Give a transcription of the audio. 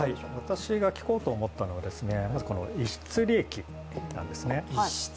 私が聞こうと思ったのは、逸失利益なんですね。